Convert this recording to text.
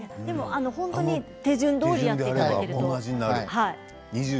本当に手順どおりやっていただければ。